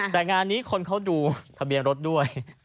แต่งานนี้คนเขาดูทะเบียนรถด้วย